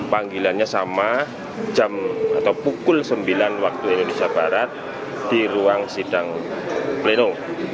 panggilannya sama jam atau pukul sembilan waktu indonesia barat di ruang sidang pleno